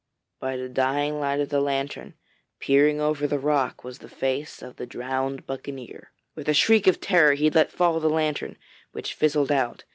By the dying light of the lantern, peering over the rock, was the face of the drowned buccaneer. With a shriek of terror he let fall the lantern, which fizzled out.